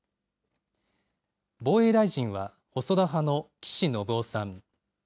防衛大臣は細田派の岸信夫さん。